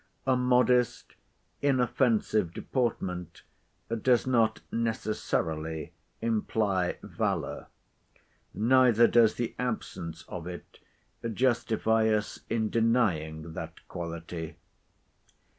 A modest inoffensive deportment does not necessarily imply valour; neither does the absence of it justify us in denying that quality.